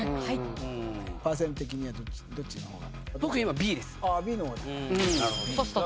パーセン的にはどっちのほうが？